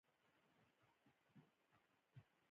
اوس مې پریښي دي جنګونه